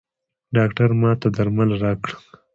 ډاکټر ماته درمل راکړل.